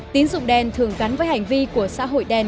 tín dụng đen thường gắn với hành vi của xã hội đen